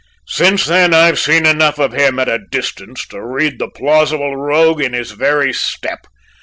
Since then I've seen enough of him at a distance to read the plausible rogue in his very step.